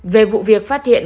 về vụ việc phát hiện